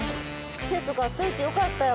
チケット買っといてよかったよ。